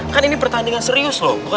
kan ini pertandingan serius loh